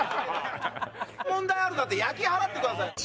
問題あるんだったら焼き払ってくださいよ。